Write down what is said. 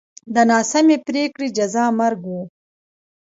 د ناسمې پرېکړې جزا مرګ و